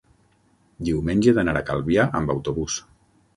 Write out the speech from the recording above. Diumenge he d'anar a Calvià amb autobús.